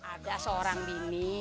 ada seorang bini